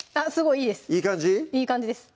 いい感じです